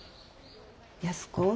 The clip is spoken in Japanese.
安子。